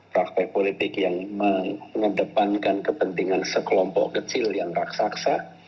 praktek politik yang mengedepankan kepentingan sekelompok kecil yang raksasa